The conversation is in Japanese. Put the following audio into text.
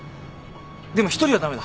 でも１人は駄目だ。